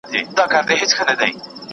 ¬ په خوله الله، په زړه کي غلا.